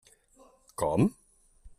Com?